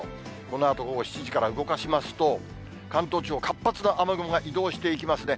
このあと午後７時から動かしますと、関東地方、活発な雨雲が移動していきますね。